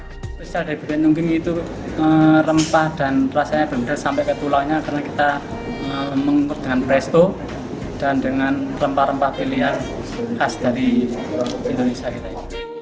spesial dari bendungging itu rempah dan rasanya benar sampai ke tulanya karena kita mengukur dengan presto dan dengan rempah rempah pilihan khas dari indonesia kita ini